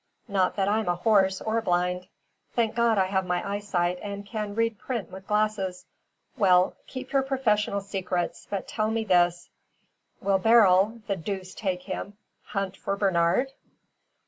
Not that I'm a horse or blind. Thank God I have my eyesight and can read print with glasses. Well, keep your professional secrets, but tell me this: Will Beryl the deuce take him hunt for Bernard?"